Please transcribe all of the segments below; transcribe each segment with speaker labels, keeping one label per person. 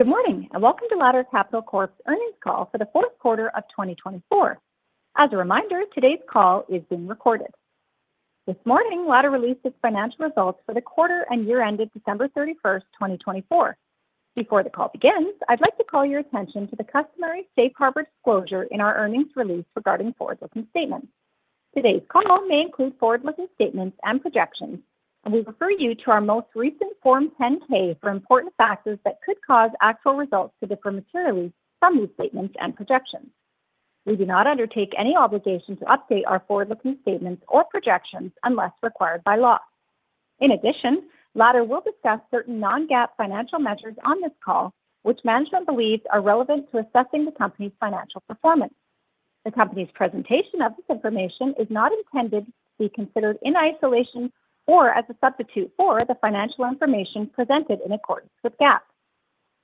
Speaker 1: Good morning and welcome to Ladder Capital Corp's earnings call for the fourth quarter of 2024. As a reminder, today's call is being recorded. This morning, Ladder released its financial results for the quarter and year-end of December 31st, 2024. Before the call begins, I'd like to call your attention to the customary Safe Harbor disclosure in our earnings release regarding forward-looking statements. Today's call may include forward-looking statements and projections, and we refer you to our most recent Form 10-K for important factors that could cause actual results to differ materially from these statements and projections. We do not undertake any obligation to update our forward-looking statements or projections unless required by law. In addition, Ladder will discuss certain non-GAAP financial measures on this call, which management believes are relevant to assessing the company's financial performance. The company's presentation of this information is not intended to be considered in isolation or as a substitute for the financial information presented in accordance with GAAP.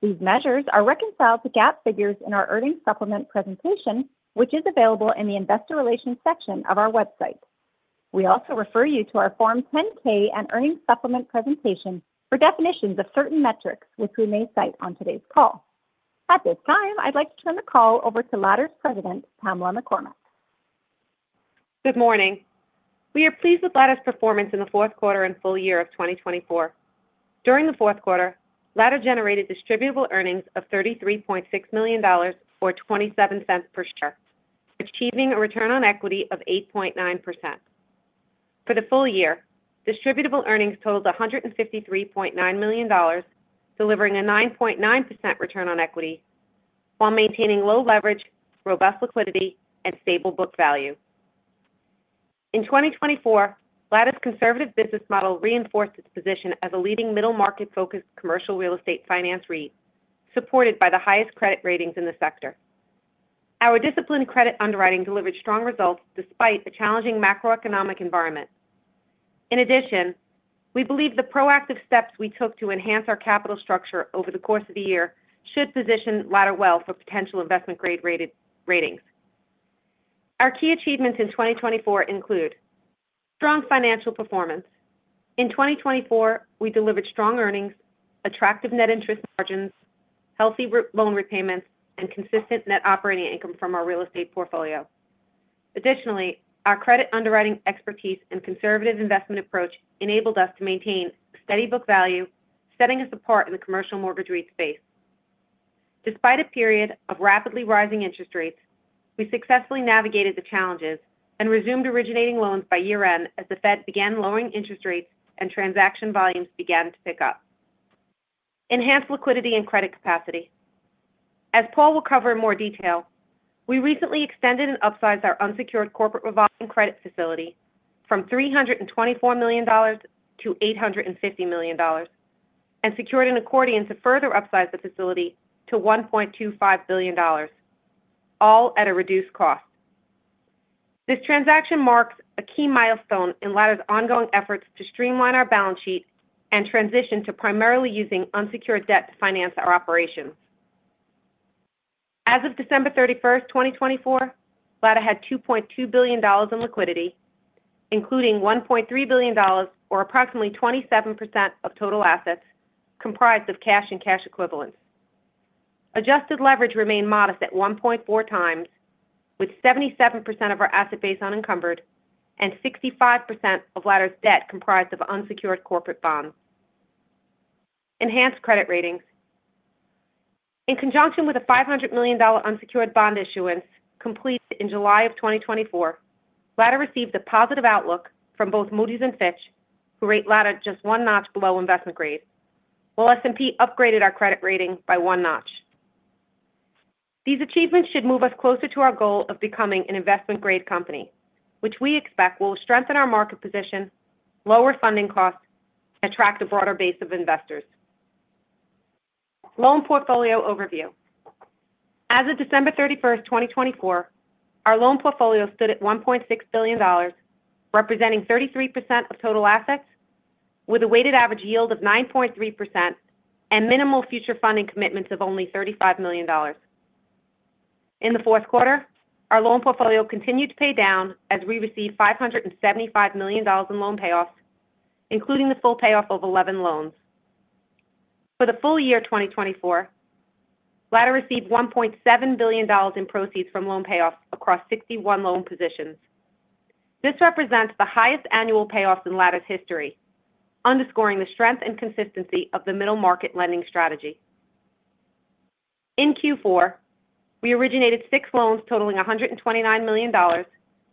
Speaker 1: These measures are reconciled to GAAP figures in our earnings supplement presentation, which is available in the investor relations section of our website. We also refer you to our Form 10-K and earnings supplement presentation for definitions of certain metrics, which we may cite on today's call. At this time, I'd like to turn the call over to Ladder's President, Pamela McCormack.
Speaker 2: Good morning. We are pleased with Ladder's performance in the fourth quarter and full year of 2024. During the fourth quarter, Ladder generated distributable earnings of $33.6 million, or $0.27 per share, achieving a return on equity of 8.9%. For the full year, distributable earnings totaled $153.9 million, delivering a 9.9% return on equity, while maintaining low leverage, robust liquidity, and stable book value. In 2024, Ladder's conservative business model reinforced its position as a leading middle-market-focused commercial real estate finance REIT, supported by the highest credit ratings in the sector. Our disciplined credit underwriting delivered strong results despite a challenging macroeconomic environment. In addition, we believe the proactive steps we took to enhance our capital structure over the course of the year should position Ladder well for potential investment-grade ratings. Our key achievements in 2024 include strong financial performance. In 2024, we delivered strong earnings, attractive net interest margins, healthy loan repayments, and consistent net operating income from our real estate portfolio. Additionally, our credit underwriting expertise and conservative investment approach enabled us to maintain steady book value, setting us apart in the commercial mortgage REIT space. Despite a period of rapidly rising interest rates, we successfully navigated the challenges and resumed originating loans by year-end as the Fed began lowering interest rates and transaction volumes began to pick up. Enhanced liquidity and credit capacity. As Paul will cover in more detail, we recently extended and upsized our unsecured corporate revolving credit facility from $324 million to $850 million and secured an accordion to further upsize the facility to $1.25 billion, all at a reduced cost. This transaction marks a key milestone in Ladder's ongoing efforts to streamline our balance sheet and transition to primarily using unsecured debt to finance our operations. As of December 31st, 2024, Ladder had $2.2 billion in liquidity, including $1.3 billion, or approximately 27% of total assets, comprised of cash and cash equivalents. Adjusted leverage remained modest at 1.4x, with 77% of our asset base unencumbered and 65% of Ladder's debt comprised of unsecured corporate bonds. Enhanced credit ratings. In conjunction with a $500 million unsecured bond issuance completed in July of 2024, Ladder received a positive outlook from both Moody's and Fitch, who rate Ladder just one notch below investment grade, while S&P upgraded our credit rating by one notch. These achievements should move us closer to our goal of becoming an investment-grade company, which we expect will strengthen our market position, lower funding costs, and attract a broader base of investors. Loan portfolio overview. As of December 31st, 2024, our loan portfolio stood at $1.6 billion, representing 33% of total assets, with a weighted average yield of 9.3% and minimal future funding commitments of only $35 million. In the fourth quarter, our loan portfolio continued to pay down as we received $575 million in loan payoffs, including the full payoff of 11 loans. For the full year 2024, Ladder received $1.7 billion in proceeds from loan payoffs across 61 loan positions. This represents the highest annual payoffs in Ladder's history, underscoring the strength and consistency of the middle-market lending strategy. In Q4, we originated six loans totaling $129 million,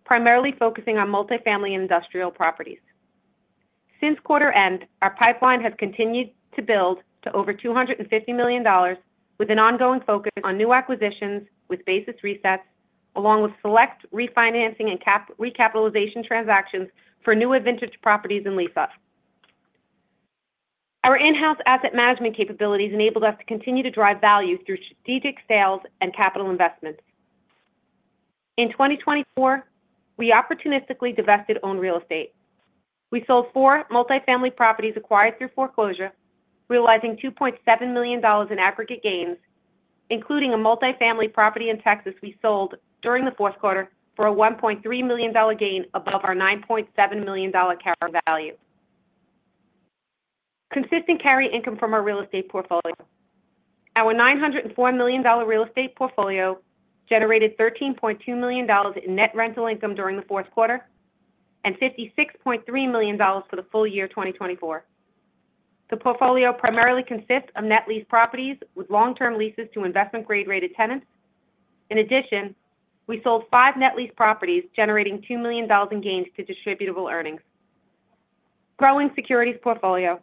Speaker 2: primarily focusing on multifamily and industrial properties. Since quarter-end, our pipeline has continued to build to over $250 million, with an ongoing focus on new acquisitions with basis resets, along with select refinancing and recapitalization transactions for new advantage properties in L.A. Our in-house asset management capabilities enabled us to continue to drive value through strategic sales and capital investments. In 2024, we opportunistically divested owned real estate. We sold four multifamily properties acquired through foreclosure, realizing $2.7 million in aggregate gains, including a multifamily property in Texas we sold during the fourth quarter for a $1.3 million gain above our $9.7 million carry value. Consistent carry income from our real estate portfolio. Our $904 million real estate portfolio generated $13.2 million in net rental income during the fourth quarter and $56.3 million for the full year 2024. The portfolio primarily consists of net lease properties with long-term leases to investment-grade rated tenants. In addition, we sold five net lease properties, generating $2 million in gains to distributable earnings. Growing securities portfolio.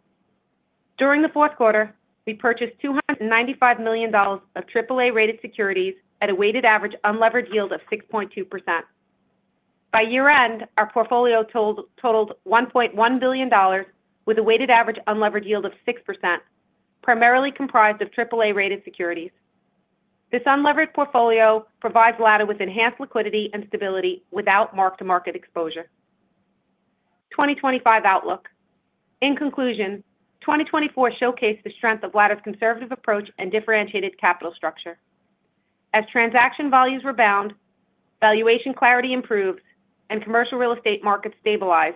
Speaker 2: During the fourth quarter, we purchased $295 million of AAA-rated securities at a weighted average unleveraged yield of 6.2%. By year-end, our portfolio totaled $1.1 billion, with a weighted average unleveraged yield of 6%, primarily comprised of AAA-rated securities. This unleveraged portfolio provides Ladder with enhanced liquidity and stability without mark-to-market exposure. 2025 outlook. In conclusion, 2024 showcased the strength of Ladder's conservative approach and differentiated capital structure. As transaction volumes rebound, valuation clarity improves, and commercial real estate markets stabilize,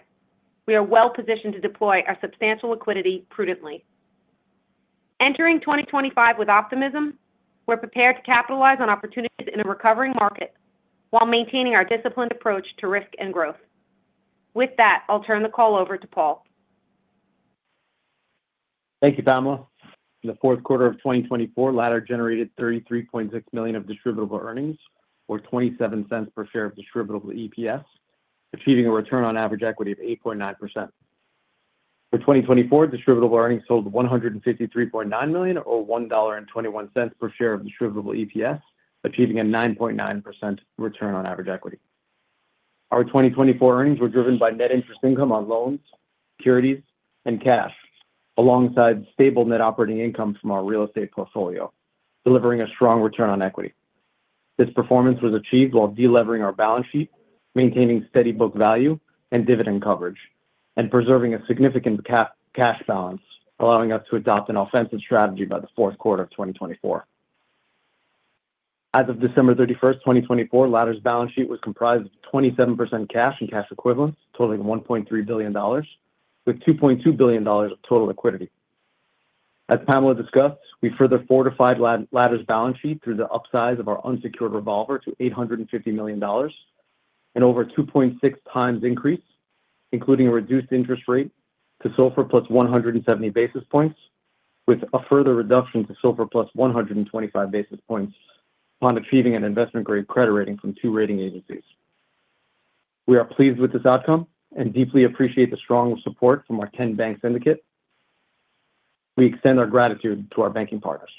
Speaker 2: we are well-positioned to deploy our substantial liquidity prudently. Entering 2025 with optimism, we're prepared to capitalize on opportunities in a recovering market while maintaining our disciplined approach to risk and growth. With that, I'll turn the call over to Paul.
Speaker 3: Thank you, Pamela. In the fourth quarter of 2024, Ladder generated $33.6 million of distributable earnings, or $0.27 per share of distributable EPS, achieving a return on average equity of 8.9%. For 2024, distributable earnings totaled $153.9 million, or $1.21 per share of distributable EPS, achieving a 9.9% return on average equity. Our 2024 earnings were driven by net interest income on loans, securities, and cash, alongside stable net operating income from our real estate portfolio, delivering a strong return on equity. This performance was achieved while deleveraging our balance sheet, maintaining steady book value and dividend coverage, and preserving a significant cash balance, allowing us to adopt an offensive strategy by the fourth quarter of 2024. As of December 31st, 2024, Ladder's balance sheet was comprised of 27% cash and cash equivalents, totaling $1.3 billion, with $2.2 billion of total liquidity. As Pamela discussed, we further fortified Ladder's balance sheet through the upsize of our unsecured revolver to $850 million, an over 2.6x increase, including a reduced interest rate to SOFR plus 170 basis points, with a further reduction to SOFR plus 125 basis points upon achieving an investment-grade credit rating from two rating agencies. We are pleased with this outcome and deeply appreciate the strong support from our 10-bank syndicate. We extend our gratitude to our banking partners.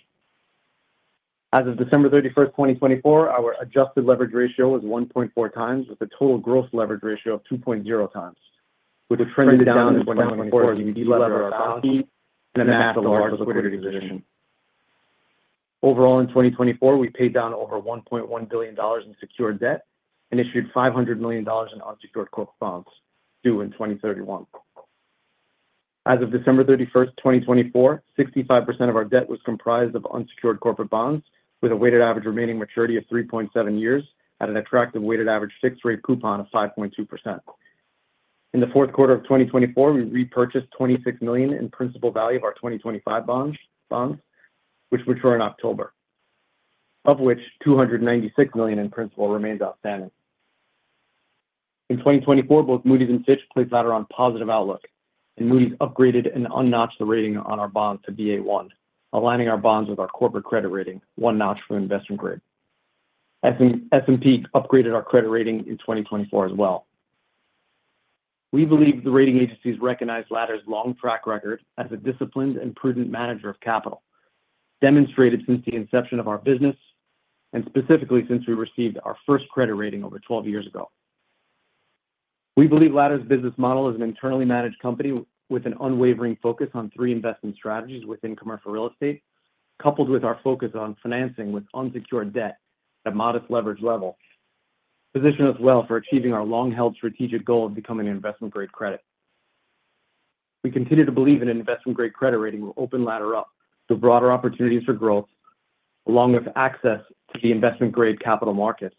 Speaker 3: As of December 31st, 2024, our adjusted leverage ratio was 1.4x, with a total gross leverage ratio of 2.0x, with a trending down to 1.4x in the leverage to equity and a massive large liquidity position. Overall, in 2024, we paid down over $1.1 billion in secured debt and issued $500 million in unsecured corporate bonds due in 2031. As of December 31st, 2024, 65% of our debt was comprised of unsecured corporate bonds, with a weighted average remaining maturity of 3.7 years at an attractive weighted average fixed-rate coupon of 5.2%. In the fourth quarter of 2024, we repurchased $26 million in principal value of our 2025 bonds, which mature in October, of which $296 million in principal remains outstanding. In 2024, both Moody's and Fitch placed Ladder on positive outlook, and Moody's upgraded and unnotched the rating on our bonds to Ba1, aligning our bonds with our corporate credit rating, one notch from investment grade. S&P upgraded our credit rating in 2024 as well. We believe the rating agencies recognize Ladder's long track record as a disciplined and prudent manager of capital, demonstrated since the inception of our business and specifically since we received our first credit rating over 12 years ago. We believe Ladder's business model is an internally managed company with an unwavering focus on three investment strategies within commercial real estate, coupled with our focus on financing with unsecured debt at a modest leverage level, positioning us well for achieving our long-held strategic goal of becoming an investment-grade credit. We continue to believe in an investment-grade credit rating will open Ladder up to broader opportunities for growth, along with access to the investment-grade capital markets,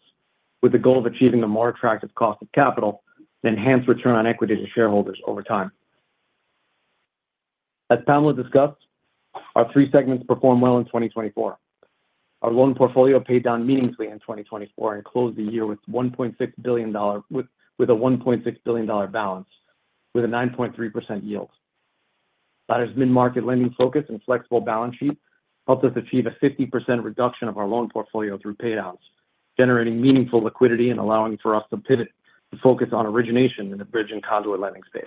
Speaker 3: with the goal of achieving a more attractive cost of capital and enhanced return on equity to shareholders over time. As Pamela discussed, our three segments performed well in 2024. Our loan portfolio paid down meaningfully in 2024 and closed the year with a $1.6 billion balance, with a 9.3% yield. Ladder's mid-market lending focus and flexible balance sheet helped us achieve a 50% reduction of our loan portfolio through payouts, generating meaningful liquidity and allowing for us to pivot to focus on origination in the bridge and conduit lending space.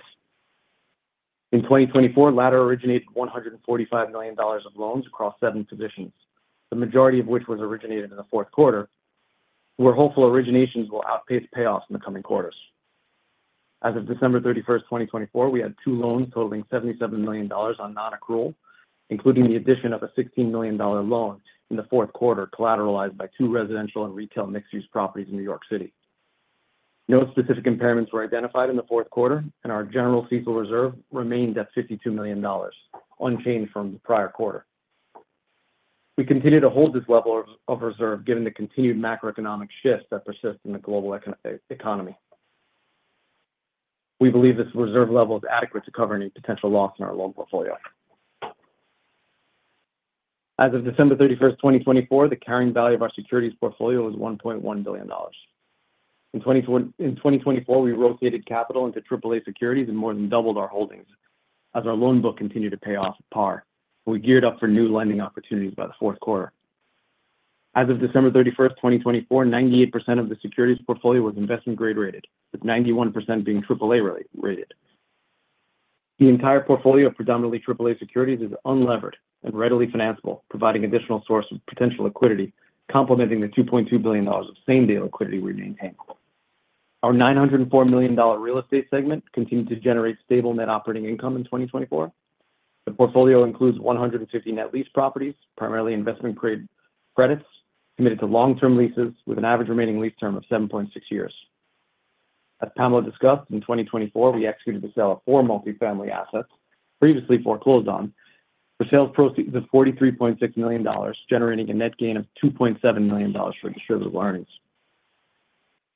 Speaker 3: In 2024, Ladder originated $145 million of loans across seven positions, the majority of which was originated in the fourth quarter. We're hopeful originations will outpace payoffs in the coming quarters. As of December 31st, 2024, we had two loans totaling $77 million on non-accrual, including the addition of a $16 million loan in the fourth quarter collateralized by two residential and retail mixed-use properties in New York City. No specific impairments were identified in the fourth quarter, and our general CECL reserve remained at $52 million, unchanged from the prior quarter. We continue to hold this level of reserve given the continued macroeconomic shifts that persist in the global economy. We believe this reserve level is adequate to cover any potential loss in our loan portfolio. As of December 31st, 2024, the carrying value of our securities portfolio was $1.1 billion. In 2024, we rotated capital into AAA securities and more than doubled our holdings as our loan book continued to pay off par. We geared up for new lending opportunities by the fourth quarter. As of December 31st, 2024, 98% of the securities portfolio was investment-grade rated, with 91% being AAA-rated. The entire portfolio of predominantly AAA securities is unleveraged and readily financeable, providing additional source of potential liquidity, complementing the $2.2 billion of same-day liquidity we maintained. Our $904 million real estate segment continued to generate stable net operating income in 2024. The portfolio includes 150 net lease properties, primarily investment-grade credits, committed to long-term leases with an average remaining lease term of 7.6 years. As Pamela discussed, in 2024, we executed the sale of four multifamily assets previously foreclosed on for sales proceeds of $43.6 million, generating a net gain of $2.7 million for distributable earnings.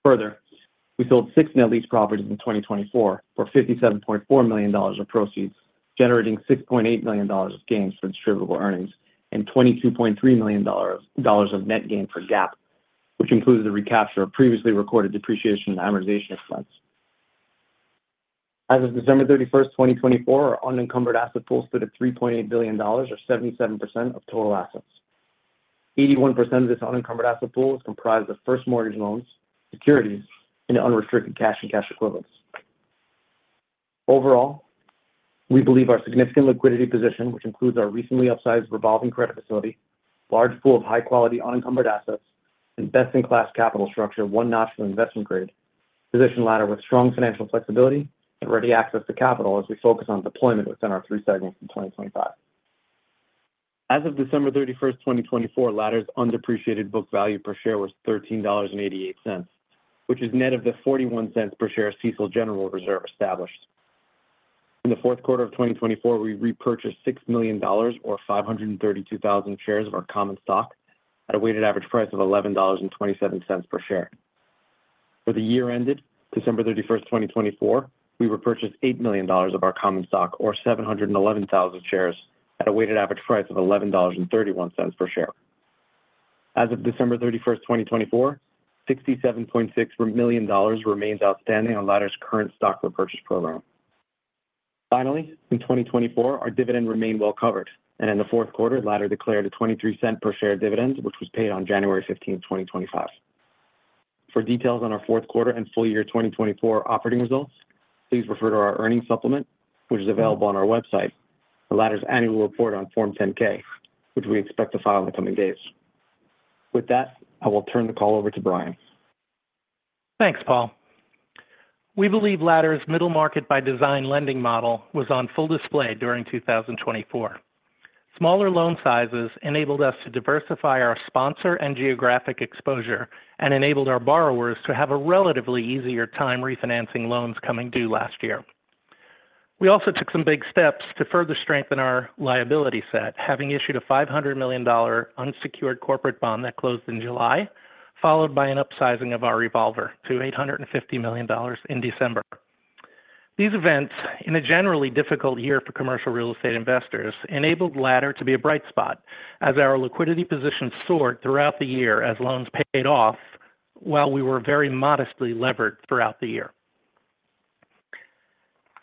Speaker 3: Further, we sold six net lease properties in 2024 for $57.4 million of proceeds, generating $6.8 million of gains for distributable earnings and $22.3 million of net gain for GAAP, which includes the recapture of previously recorded depreciation and amortization expense. As of December 31st, 2024, our unencumbered asset pool stood at $3.8 billion, or 77% of total assets. 81% of this unencumbered asset pool is comprised of first mortgage loans, securities, and unrestricted cash and cash equivalents. Overall, we believe our significant liquidity position, which includes our recently upsized revolving credit facility, large pool of high-quality unencumbered assets, and best-in-class capital structure one notch from investment grade, position Ladder with strong financial flexibility and ready access to capital as we focus on deployment within our three segments in 2025. As of December 31st, 2024, Ladder's undepreciated book value per share was $13.88, which is net of the $0.41 per share CECL general reserve established. In the fourth quarter of 2024, we repurchased $6 million, or 532,000 shares of our common stock at a weighted average price of $11.27 per share. For the year-ended, December 31st, 2024, we repurchased $8 million of our common stock, or 711,000 shares at a weighted average price of $11.31 per share. As of December 31st, 2024, $67.6 million remains outstanding on Ladder's current stock repurchase program. Finally, in 2024, our dividend remained well covered, and in the fourth quarter, Ladder declared a $0.23 per share dividend, which was paid on January 15th, 2025. For details on our fourth quarter and full year 2024 operating results, please refer to our earnings supplement, which is available on our website, and Ladder's annual report on Form 10-K, which we expect to file in the coming days. With that, I will turn the call over to Brian.
Speaker 4: Thanks, Paul. We believe Ladder's middle market by design lending model was on full display during 2024. Smaller loan sizes enabled us to diversify our sponsor and geographic exposure and enabled our borrowers to have a relatively easier time refinancing loans coming due last year. We also took some big steps to further strengthen our liability set, having issued a $500 million unsecured corporate bond that closed in July, followed by an upsizing of our revolver to $850 million in December. These events, in a generally difficult year for commercial real estate investors, enabled Ladder to be a bright spot as our liquidity position soared throughout the year as loans paid off while we were very modestly levered throughout the year.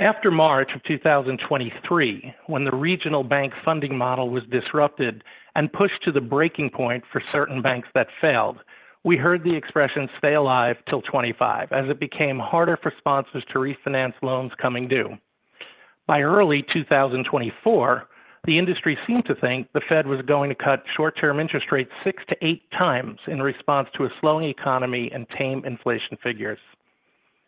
Speaker 4: After March of 2023, when the regional bank funding model was disrupted and pushed to the breaking point for certain banks that failed, we heard the expression "stay alive till '25" as it became harder for sponsors to refinance loans coming due. By early 2024, the industry seemed to think the Fed was going to cut short-term interest rates 6x-8x in response to a slowing economy and tame inflation figures,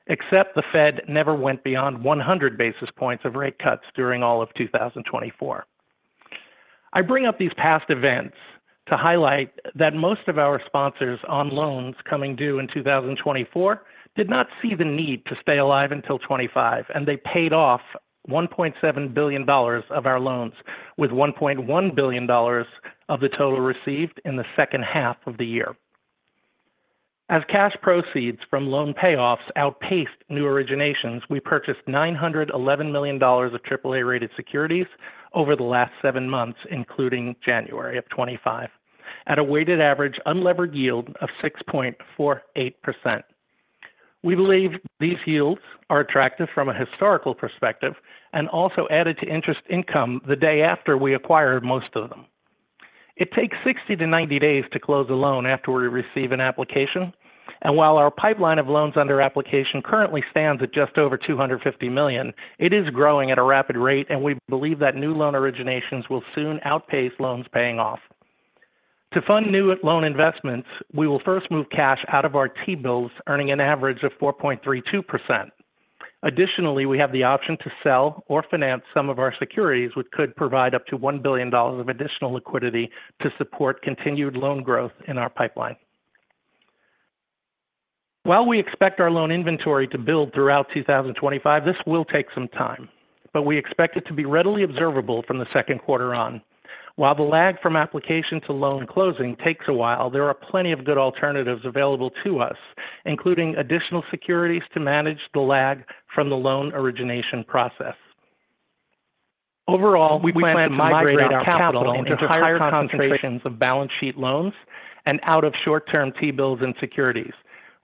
Speaker 4: except the Fed never went beyond 100 basis points of rate cuts during all of 2024. I bring up these past events to highlight that most of our sponsors on loans coming due in 2024 did not see the need to stay alive until 2025, and they paid off $1.7 billion of our loans with $1.1 billion of the total received in the second half of the year. As cash proceeds from loan payoffs outpaced new originations, we purchased $911 million of AAA-rated securities over the last seven months, including January of 2025, at a weighted average unleveraged yield of 6.48%. We believe these yields are attractive from a historical perspective and also added to interest income the day after we acquired most of them. It takes 60-90 days to close a loan after we receive an application, and while our pipeline of loans under application currently stands at just over $250 million, it is growing at a rapid rate, and we believe that new loan originations will soon outpace loans paying off. To fund new loan investments, we will first move cash out of our T-bills, earning an average of 4.32%. Additionally, we have the option to sell or finance some of our securities, which could provide up to $1 billion of additional liquidity to support continued loan growth in our pipeline. While we expect our loan inventory to build throughout 2025, this will take some time, but we expect it to be readily observable from the second quarter on. While the lag from application to loan closing takes a while, there are plenty of good alternatives available to us, including additional securities to manage the lag from the loan origination process. Overall, we plan to migrate our capital into higher concentrations of balance sheet loans and out of short-term T-bills and securities.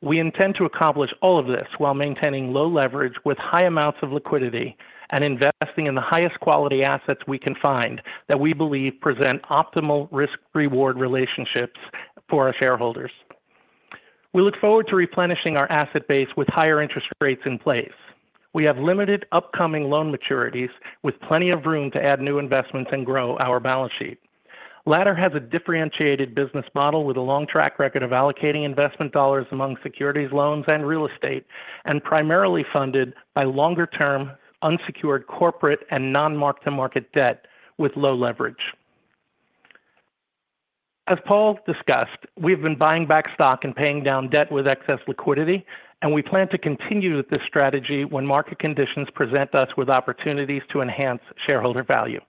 Speaker 4: We intend to accomplish all of this while maintaining low leverage with high amounts of liquidity and investing in the highest quality assets we can find that we believe present optimal risk-reward relationships for our shareholders. We look forward to replenishing our asset base with higher interest rates in place. We have limited upcoming loan maturities with plenty of room to add new investments and grow our balance sheet. Ladder has a differentiated business model with a long track record of allocating investment dollars among securities, loans, and real estate, and primarily funded by longer-term unsecured corporate and non-marked-to-market debt with low leverage. As Paul discussed, we have been buying back stock and paying down debt with excess liquidity, and we plan to continue with this strategy when market conditions present us with opportunities to enhance shareholder value.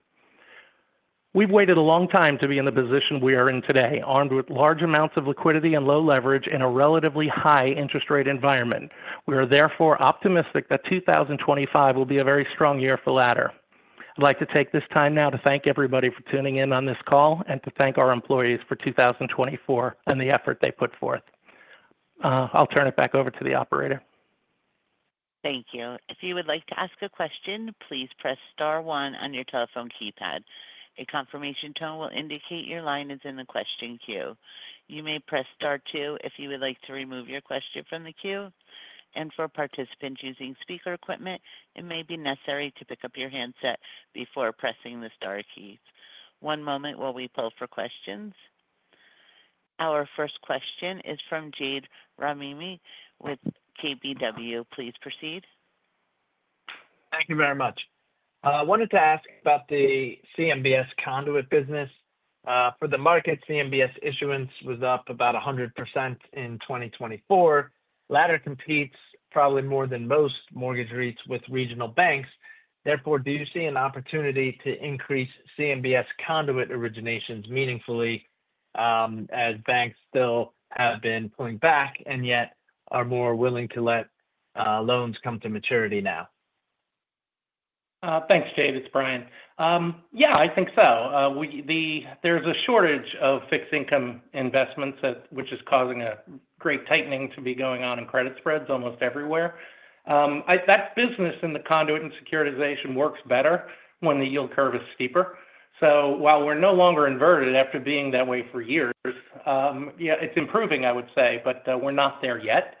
Speaker 4: We've waited a long time to be in the position we are in today, armed with large amounts of liquidity and low leverage in a relatively high interest rate environment. We are therefore optimistic that 2025 will be a very strong year for Ladder. I'd like to take this time now to thank everybody for tuning in on this call and to thank our employees for 2024 and the effort they put forth. I'll turn it back over to the operator.
Speaker 1: Thank you. If you would like to ask a question, please press star one on your telephone keypad. A confirmation tone will indicate your line is in the question queue. You may press star two if you would like to remove your question from the queue. And for participants using speaker equipment, it may be necessary to pick up your handset before pressing the star keys. One moment while we pull for questions. Our first question is from Jade Rahimi with KBW. Please proceed.
Speaker 5: Thank you very much. I wanted to ask about the CMBS conduit business. For the market, CMBS issuance was up about 100% in 2024. Ladder competes probably more than most mortgage REITs with regional banks. Therefore, do you see an opportunity to increase CMBS conduit originations meaningfully as banks still have been pulling back and yet are more willing to let loans come to maturity now?
Speaker 4: Thanks, Jade. It's Brian. Yeah, I think so. There's a shortage of fixed-income investments, which is causing a great tightening to be going on in credit spreads almost everywhere. That business in the conduit and securitization works better when the yield curve is steeper. So while we're no longer inverted after being that way for years, it's improving, I would say, but we're not there yet.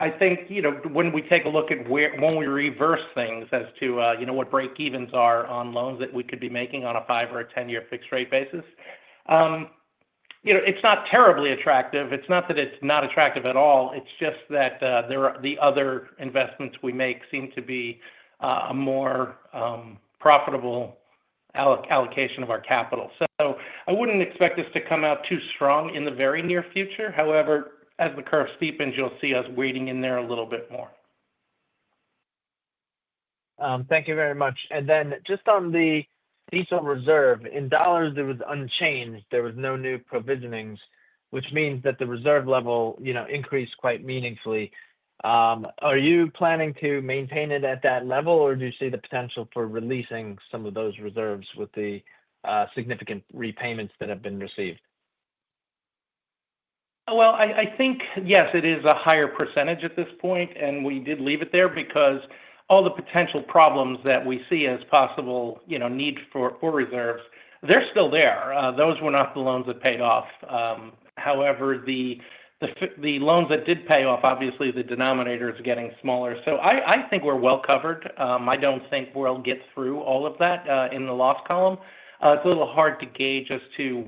Speaker 4: I think when we take a look at when we reverse things as to what break-evens are on loans that we could be making on a five or a ten-year fixed-rate basis, it's not terribly attractive. It's not that it's not attractive at all. It's just that the other investments we make seem to be a more profitable allocation of our capital. So I wouldn't expect this to come out too strong in the very near future. However, as the curve steepens, you'll see us waiting in there a little bit more.
Speaker 5: Thank you very much. And then just on the CECL reserve, in dollars, it was unchanged. There were no new provisionings, which means that the reserve level increased quite meaningfully. Are you planning to maintain it at that level, or do you see the potential for releasing some of those reserves with the significant repayments that have been received?
Speaker 4: I think, yes, it is a higher percentage at this point, and we did leave it there because all the potential problems that we see as possible need for reserves, they're still there. Those were not the loans that paid off. However, the loans that did pay off, obviously, the denominator is getting smaller. So I think we're well covered. I don't think we'll get through all of that in the loss column. It's a little hard to gauge as to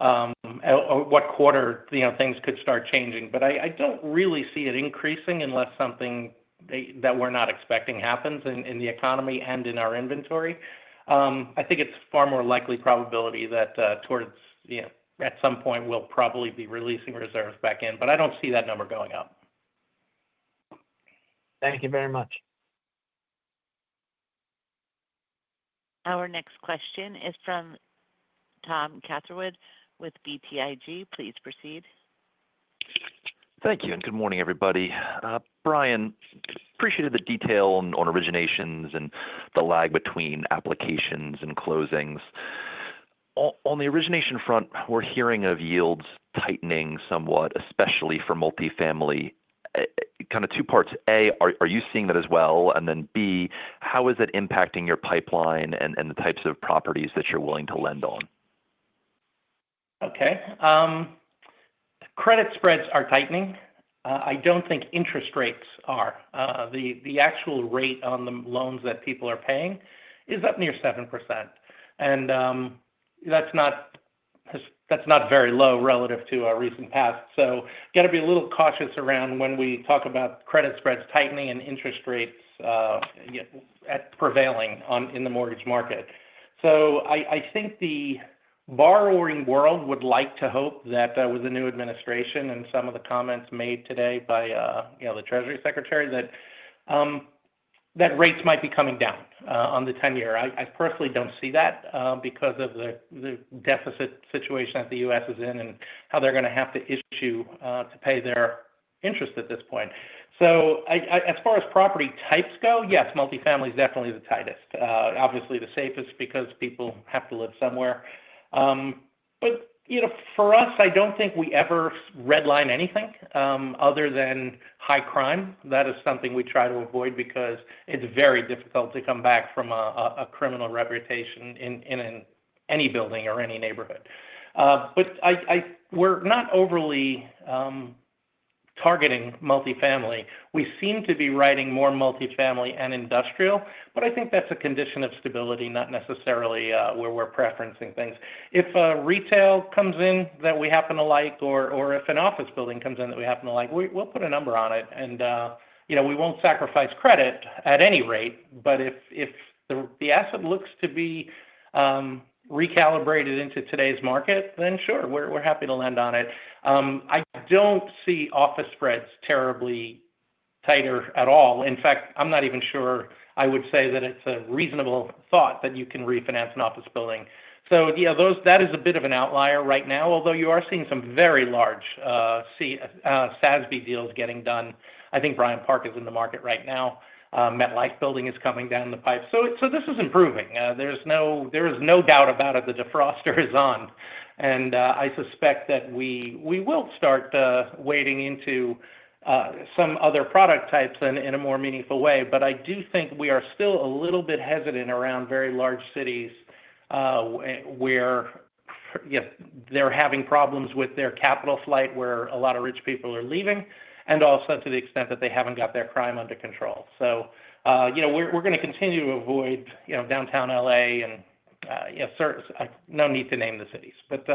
Speaker 4: what quarter things could start changing, but I don't really see it increasing unless something that we're not expecting happens in the economy and in our inventory. I think it's far more likely probability that towards at some point we'll probably be releasing reserves back in, but I don't see that number going up.
Speaker 5: Thank you very much.
Speaker 1: Our next question is from Tom Catherwood with BTIG. Please proceed.
Speaker 6: Thank you, and good morning, everybody. Brian, appreciated the detail on originations and the lag between applications and closings. On the origination front, we're hearing of yields tightening somewhat, especially for multifamily. Kind of two parts. A, are you seeing that as well? And then B, how is it impacting your pipeline and the types of properties that you're willing to lend on?
Speaker 4: Okay. Credit spreads are tightening. I don't think interest rates are. The actual rate on the loans that people are paying is up near 7%, and that's not very low relative to our recent past. So got to be a little cautious around when we talk about credit spreads tightening and interest rates prevailing in the mortgage market. So I think the borrowing world would like to hope that with the new administration and some of the comments made today by the Treasury Secretary that rates might be coming down on the ten-year. I personally don't see that because of the deficit situation that the U.S. is in and how they're going to have to issue to pay their interest at this point. So as far as property types go, yes, multifamily is definitely the tightest, obviously the safest because people have to live somewhere. But for us, I don't think we ever redline anything other than high crime. That is something we try to avoid because it's very difficult to come back from a criminal reputation in any building or any neighborhood. But we're not overly targeting multifamily. We seem to be writing more multifamily and industrial, but I think that's a condition of stability, not necessarily where we're preferencing things. If a retail comes in that we happen to like or if an office building comes in that we happen to like, we'll put a number on it, and we won't sacrifice credit at any rate. But if the asset looks to be recalibrated into today's market, then sure, we're happy to lend on it. I don't see office spreads terribly tighter at all. In fact, I'm not even sure I would say that it's a reasonable thought that you can refinance an office building. So that is a bit of an outlier right now, although you are seeing some very large SASB deals getting done. I think Bryant Park is in the market right now. MetLife Building is coming down the pipe. So this is improving. There is no doubt about it. The defroster is on, and I suspect that we will start wading into some other product types in a more meaningful way. But I do think we are still a little bit hesitant around very large cities where they're having problems with their capital flight, where a lot of rich people are leaving, and also to the extent that they haven't got their crime under control. So we're going to continue to avoid downtown LA, and no need to name the cities. But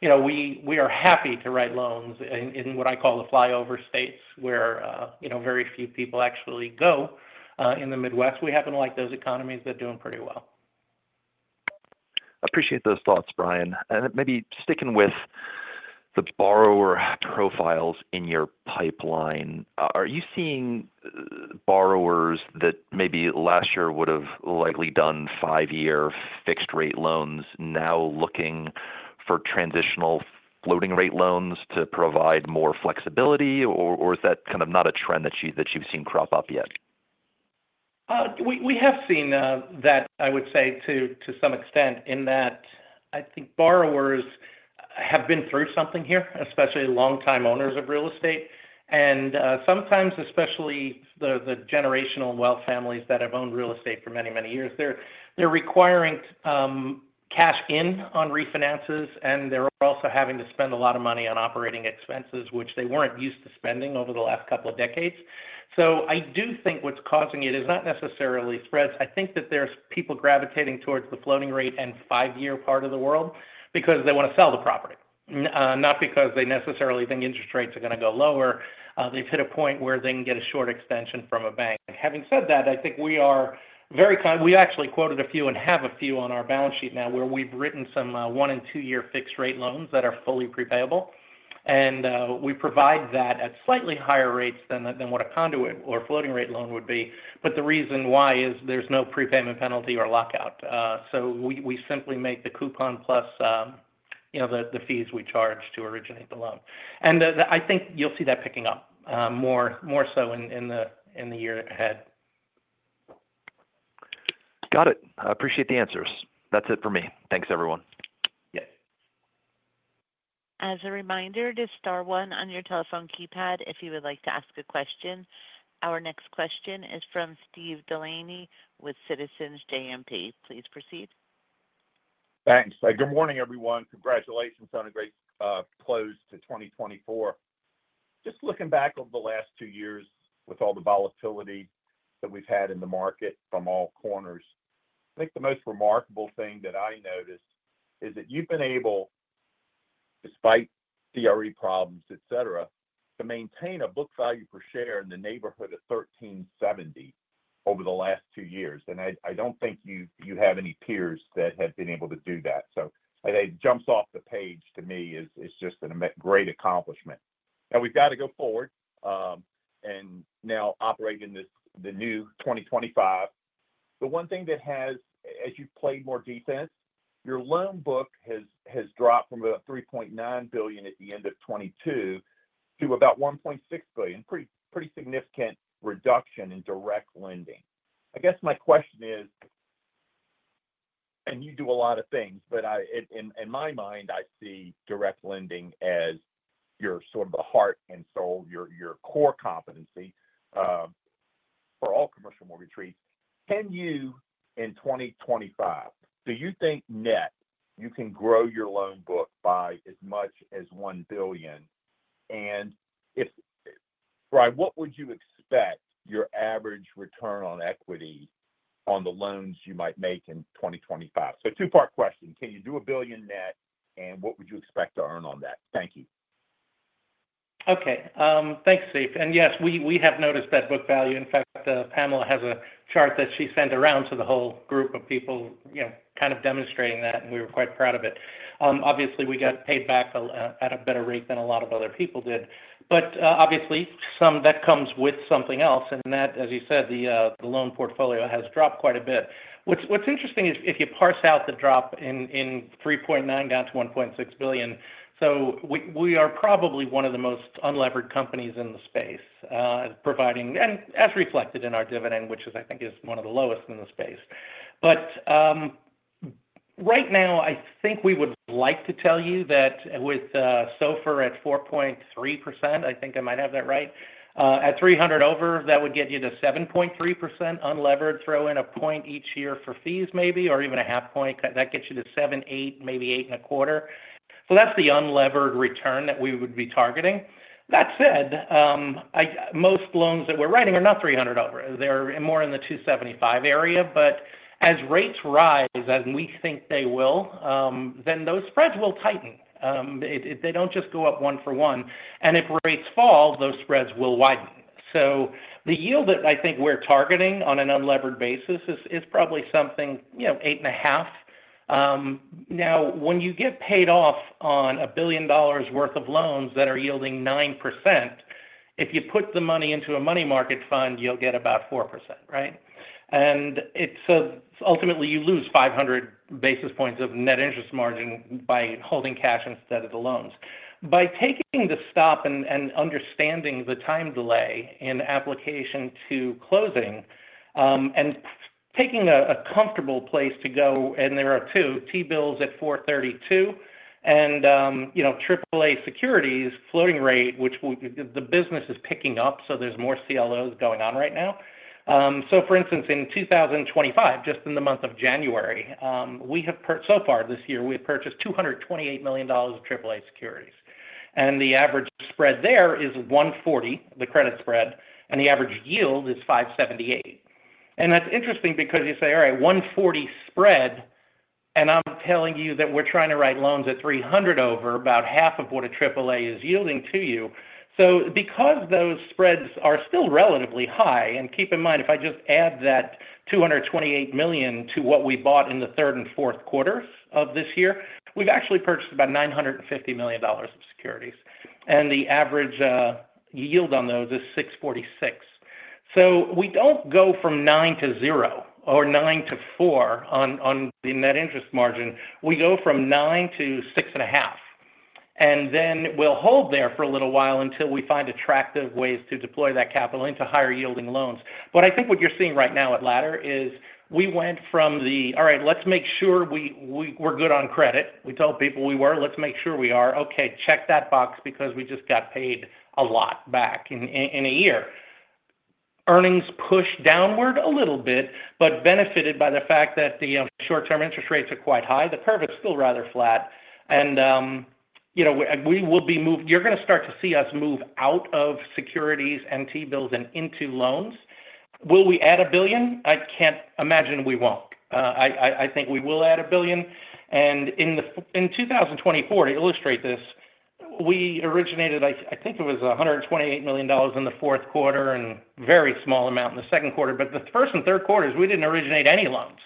Speaker 4: we are happy to write loans in what I call the flyover states where very few people actually go in the Midwest. We happen to like those economies that are doing pretty well.
Speaker 6: Appreciate those thoughts, Brian. And maybe sticking with the borrower profiles in your pipeline, are you seeing borrowers that maybe last year would have likely done five-year fixed-rate loans now looking for transitional floating-rate loans to provide more flexibility, or is that kind of not a trend that you've seen crop up yet?
Speaker 4: We have seen that, I would say, to some extent, in that I think borrowers have been through something here, especially long-time owners of real estate. Sometimes, especially the generational wealth families that have owned real estate for many, many years, they're requiring cash in on refinances, and they're also having to spend a lot of money on operating expenses, which they weren't used to spending over the last couple of decades. I do think what's causing it is not necessarily spreads. I think that there are people gravitating towards the floating-rate and five-year part of the world because they want to sell the property, not because they necessarily think interest rates are going to go lower. They've hit a point where they can get a short extension from a bank. Having said that, I think we are very kind. We actually quoted a few and have a few on our balance sheet now where we've written some one and two-year fixed-rate loans that are fully prepayable, and we provide that at slightly higher rates than what a conduit or floating-rate loan would be. But the reason why is there's no prepayment penalty or lockout. So we simply make the coupon plus the fees we charge to originate the loan. And I think you'll see that picking up more so in the year ahead.
Speaker 6: Got it. Appreciate the answers. That's it for me. Thanks, everyone.
Speaker 4: Yes.
Speaker 1: As a reminder, to star one on your telephone keypad, if you would like to ask a question. Our next question is from Steve Delaney with Citizens JMP. Please proceed.
Speaker 7: Thanks. Good morning, everyone. Congratulations on a great close to 2024. Just looking back over the last two years with all the volatility that we've had in the market from all corners, I think the most remarkable thing that I noticed is that you've been able, despite DRE problems, etc., to maintain a book value per share in the neighborhood of $13.70 over the last two years. And I don't think you have any peers that have been able to do that. So it jumps off the page to me as just a great accomplishment. Now, we've got to go forward and now operate in the new 2025. The one thing that has, as you've played more defense, your loan book has dropped from about $3.9 billion at the end of 2022 to about $1.6 billion. Pretty significant reduction in direct lending. I guess my question is, and you do a lot of things, but in my mind, I see direct lending as your sort of the heart and soul, your core competency for all commercial mortgage REITs. In 2025, do you think net you can grow your loan book by as much as $1 billion? And if Brian, what would you expect your average return on equity on the loans you might make in 2025? So two-part question. Can you do a billion net, and what would you expect to earn on that? Thank you.
Speaker 4: Okay. Thanks, Steve. And yes, we have noticed that book value. In fact, Pamela has a chart that she sent around to the whole group of people kind of demonstrating that, and we were quite proud of it. Obviously, we got paid back at a better rate than a lot of other people did. But obviously, that comes with something else, and that, as you said, the loan portfolio has dropped quite a bit. What's interesting is if you parse out the drop in $3.9 billion down to $1.6 billion, so we are probably one of the most unlevered companies in the space providing, and as reflected in our dividend, which I think is one of the lowest in the space. But right now, I think we would like to tell you that with SOFR at 4.3%, I think I might have that right, at 300 over, that would get you to 7.3% unlevered, throw in a point each year for fees maybe, or even a half point, that gets you to 7%, 8%, maybe 8.25%. So that's the unlevered return that we would be targeting. That said, most loans that we're writing are not 300 over. They're more in the 275 area. But as rates rise, as we think they will, then those spreads will tighten. They don't just go up one for one. And if rates fall, those spreads will widen. So the yield that I think we're targeting on an unlevered basis is probably something 8.5%. Now, when you get paid off on $1 billion worth of loans that are yielding 9%, if you put the money into a money market fund, you'll get about 4%, right? And so ultimately, you lose 500 basis points of net interest margin by holding cash instead of the loans. By taking the stop and understanding the time delay in application to closing and taking a comfortable place to go, and there are two, T-bills at 4.32% and AAA securities, floating rate, which the business is picking up, so there's more CLOs going on right now. So for instance, in 2025, just in the month of January, we have so far this year, we have purchased $228 million of AAA securities. And the average spread there is 140, the credit spread, and the average yield is 578. That's interesting because you say, "All right, 140 spread," and I'm telling you that we're trying to write loans at 300 over, about half of what AAA is yielding to you. So because those spreads are still relatively high, and keep in mind, if I just add that $228 million to what we bought in the third and fourth quarters of this year, we've actually purchased about $950 million of securities. The average yield on those is $646 million. So we don't go from 9% to 0% or 9% to 4% on the net interest margin. We go from 9% to 6.5%. Then we'll hold there for a little while until we find attractive ways to deploy that capital into higher yielding loans. But I think what you're seeing right now at Ladder is we went from the, "All right, let's make sure we're good on credit." We told people we were. Let's make sure we are. Okay, check that box because we just got paid a lot back in a year. Earnings pushed downward a little bit, but benefited by the fact that the short-term interest rates are quite high. The curve is still rather flat. And we will be moving. You're going to start to see us move out of securities and T-bills and into loans. Will we add a billion? I can't imagine we won't. I think we will add a billion. And in 2024, to illustrate this, we originated, I think it was $128 million in the fourth quarter and a very small amount in the second quarter. But the first and third quarters, we didn't originate any loans.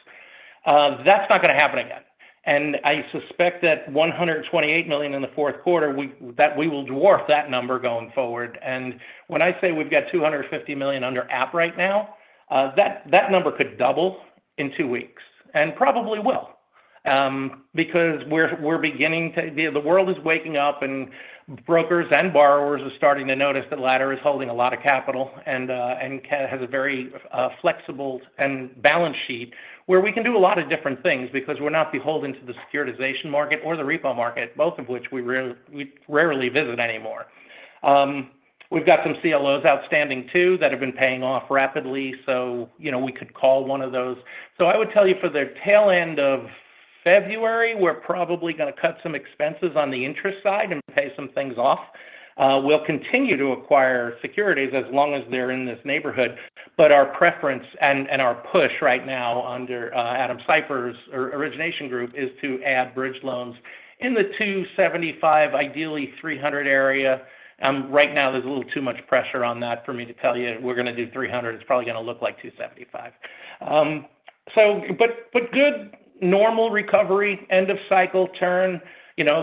Speaker 4: That's not going to happen again. And I suspect that $128 million in the fourth quarter, that we will dwarf that number going forward. And when I say we've got $250 million under app right now, that number could double in two weeks and probably will because we're beginning to. The world is waking up, and brokers and borrowers are starting to notice that Ladder is holding a lot of capital and has a very flexible and balance sheet where we can do a lot of different things because we're not beholden to the securitization market or the repo market, both of which we rarely visit anymore. We've got some CLOs outstanding too that have been paying off rapidly. So we could call one of those. So I would tell you for the tail end of February, we're probably going to cut some expenses on the interest side and pay some things off. We'll continue to acquire securities as long as they're in this neighborhood. But our preference and our push right now under Adam Siper's origination group is to add bridge loans in the $275 million, ideally $300 million area. Right now, there's a little too much pressure on that for me to tell you. We're going to do $300 million. It's probably going to look like $275 million. But good normal recovery, end of cycle turn,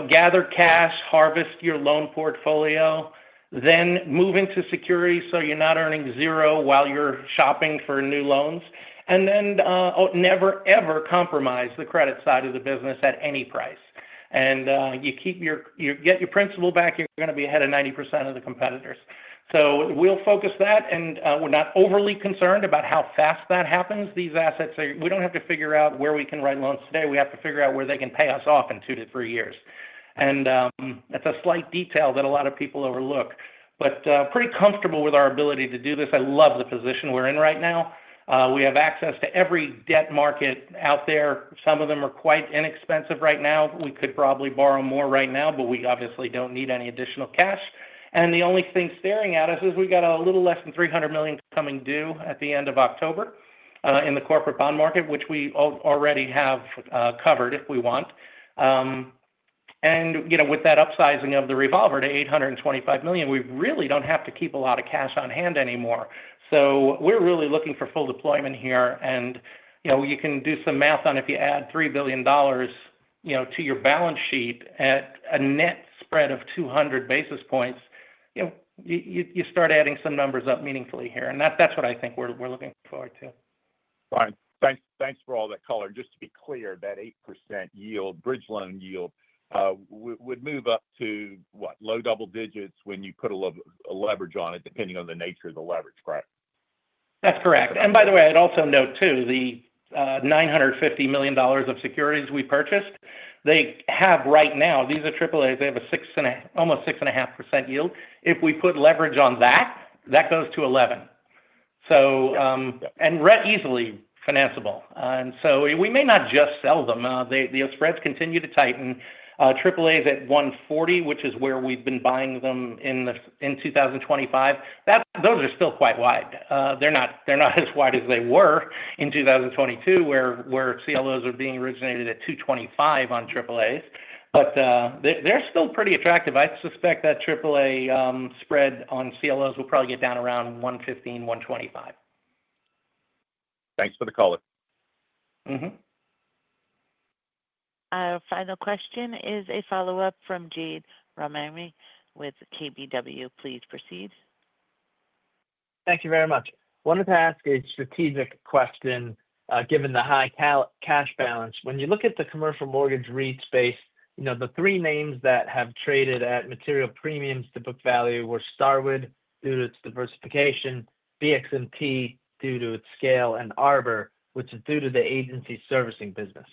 Speaker 4: gather cash, harvest your loan portfolio, then move into securities so you're not earning zero while you're shopping for new loans. And then never, ever compromise the credit side of the business at any price. And you get your principal back. You're going to be ahead of 90% of the competitors. So we'll focus that. And we're not overly concerned about how fast that happens. These assets, we don't have to figure out where we can write loans today. We have to figure out where they can pay us off in two to three years. And that's a slight detail that a lot of people overlook. But pretty comfortable with our ability to do this. I love the position we're in right now. We have access to every debt market out there. Some of them are quite inexpensive right now. We could probably borrow more right now, but we obviously don't need any additional cash. And the only thing staring at us is we've got a little less than $300 million coming due at the end of October in the corporate bond market, which we already have covered if we want. And with that upsizing of the revolver to $825 million, we really don't have to keep a lot of cash on hand anymore. So we're really looking for full deployment here. And you can do some math on if you add $3 billion to your balance sheet at a net spread of 200 basis points, you start adding some numbers up meaningfully here. And that's what I think we're looking forward to.
Speaker 7: Brian, thanks for all that color. Just to be clear, that 8% yield, bridge loan yield, would move up to, what, low double digits when you put a leverage on it, depending on the nature of the leverage, correct?
Speaker 4: That's correct. And by the way, I'd also note too, the $950 million of securities we purchased, they have right now, these are AAAs, they have almost a 6.5% yield. If we put leverage on that, that goes to 11%. And easily financeable. And so we may not just sell them. The spreads continue to tighten. AAAs at 140, which is where we've been buying them in 2025, those are still quite wide. They're not as wide as they were in 2022, where CLOs are being originated at 225 on AAAs. But they're still pretty attractive. I suspect that AAA spread on CLOs will probably get down around $115 million-$125 million.
Speaker 7: Thanks for the call.
Speaker 1: Final question is a follow-up from Jade Rahimi with KBW. Please proceed.
Speaker 5: Thank you very much. I wanted to ask a strategic question given the high cash balance. When you look at the commercial mortgage REIT space, the three names that have traded at material premiums to book value were Starwood due to its diversification, BXMT due to its scale, and Arbor, which is due to the agency servicing business.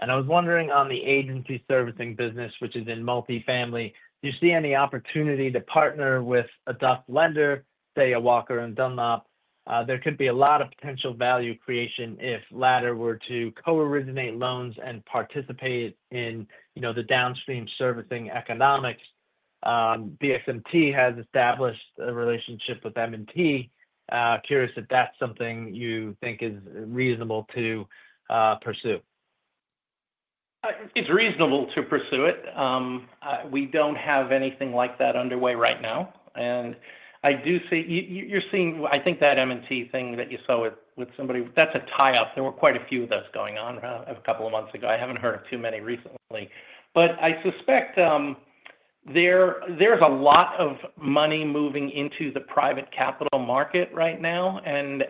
Speaker 5: And I was wondering on the agency servicing business, which is in multifamily, do you see any opportunity to partner with a DUS lender, say a Walker & Dunlop? There could be a lot of potential value creation if Ladder were to co-originate loans and participate in the downstream servicing economics. BXMT has established a relationship with M&T. Curious if that's something you think is reasonable to pursue.
Speaker 4: It's reasonable to pursue it. We don't have anything like that underway right now, and I do see you're seeing, I think that M&T thing that you saw with somebody, that's a tie-up. There were quite a few of those going on a couple of months ago. I haven't heard of too many recently, but I suspect there's a lot of money moving into the private capital market right now, and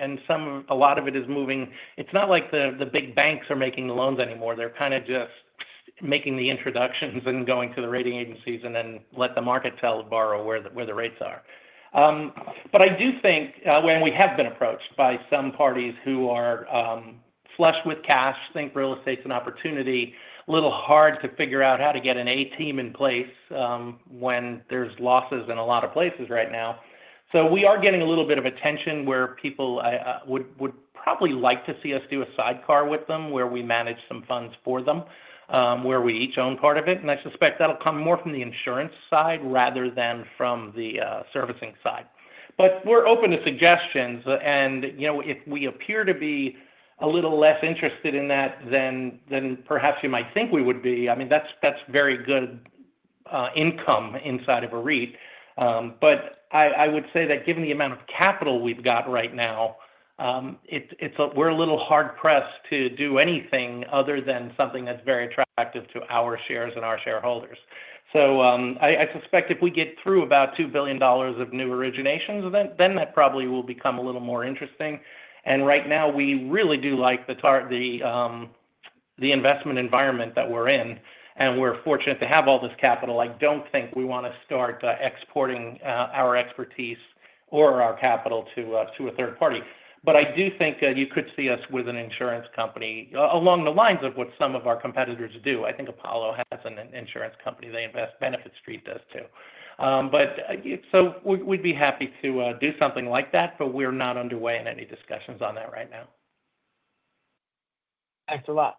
Speaker 4: a lot of it is moving. It's not like the big banks are making the loans anymore. They're kind of just making the introductions and going to the rating agencies and then let the market tell the borrower where the rates are. But I do think, and we have been approached by some parties who are flush with cash, think real estate's an opportunity, a little hard to figure out how to get an A team in place when there's losses in a lot of places right now. So we are getting a little bit of attention where people would probably like to see us do a sidecar with them where we manage some funds for them, where we each own part of it. And I suspect that'll come more from the insurance side rather than from the servicing side. But we're open to suggestions. And if we appear to be a little less interested in that than perhaps you might think we would be, I mean, that's very good income inside of a REIT. But I would say that given the amount of capital we've got right now, we're a little hard-pressed to do anything other than something that's very attractive to our shares and our shareholders. So I suspect if we get through about $2 billion of new originations, then that probably will become a little more interesting. And right now, we really do like the investment environment that we're in. And we're fortunate to have all this capital. I don't think we want to start exporting our expertise or our capital to a third party. But I do think you could see us with an insurance company along the lines of what some of our competitors do. I think Apollo has an insurance company. They invest. Benefit Street does too. But so we'd be happy to do something like that, but we're not underway in any discussions on that right now.
Speaker 5: Thanks a lot.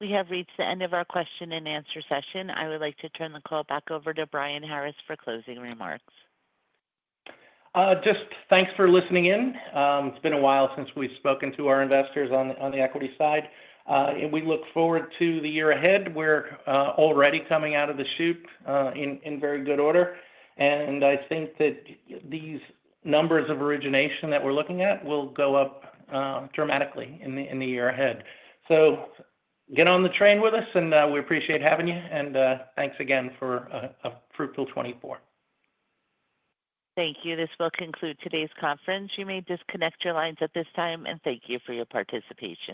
Speaker 1: We have reached the end of our question-and-answer session. I would like to turn the call back over to Brian Harris for closing remarks.
Speaker 4: Just thanks for listening in. It's been a while since we've spoken to our investors on the equity side, and we look forward to the year ahead. We're already coming out of the chute in very good order, and I think that these numbers of origination that we're looking at will go up dramatically in the year ahead, so get on the train with us, and we appreciate having you, and thanks again for a fruitful 2024.
Speaker 1: Thank you. This will conclude today's conference. You may disconnect your lines at this time, and thank you for your participation.